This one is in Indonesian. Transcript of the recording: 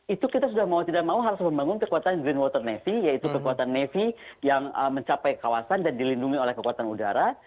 itu kita sudah mau tidak mau harus membangun kekuatan green water navy yaitu kekuatan navy yang mencapai kawasan dan dilindungi oleh kekuatan udara